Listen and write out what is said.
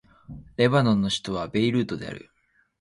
レバノンの首都はベイルートである